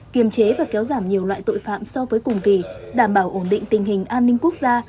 kiềm chế và kéo giảm nhiều loại tội phạm so với cùng kỳ đảm bảo ổn định tình hình an ninh quốc gia